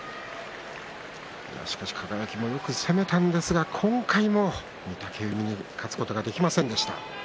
輝もよく攻めたんですが今回も御嶽海に勝つことができませんでした。